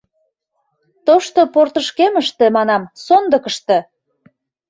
Тошто портышкемыште, манам, сондыкышто.